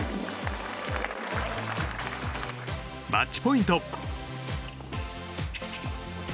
マッチポイント。